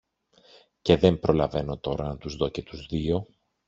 και δεν προλαβαίνω τώρα να τους δω και τους δύο